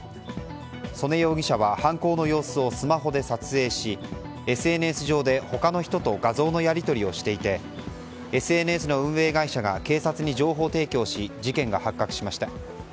曽根容疑者は犯行の様子をスマホで撮影しＳＮＳ上で他の人と画像のやり取りをしていてＳＮＳの運営会社が警察に情報提供し事件が発覚しました。